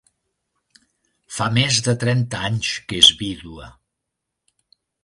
Fa més de trenta anys, que és vídua!